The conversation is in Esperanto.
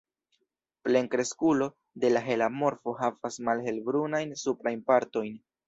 Plenkreskulo de la hela morfo havas malhelbrunajn suprajn partojn.